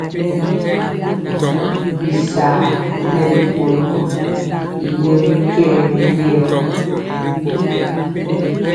Bisar nɛ bi konɔ y yɛ bikɛɛ mɛleo ri.